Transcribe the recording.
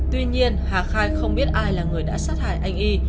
tuy nhiên hà khai không biết ai là người đã sát hại anh y